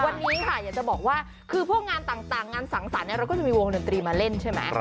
วันนี้ค่ะอยากจะบอกว่าคือพวกงานต่างงานสังสรรค์เราก็จะมีวงดนตรีมาเล่นใช่ไหม